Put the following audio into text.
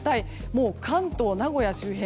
もう関東、名古屋周辺